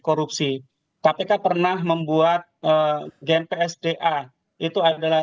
korupsi kpk pernah membuat gen psda itu adalah